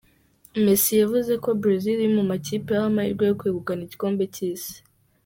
Messi yavuze ko Brazil iri mu makipe aha amahirwe yo kwegukana igikombe cy’isi.